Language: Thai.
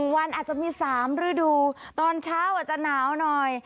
วันอาจจะมี๓ฤดูตอนเช้าอาจจะหนาวหน่อย